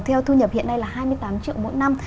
theo thu nhập hiện nay là hai mươi tám triệu mỗi năm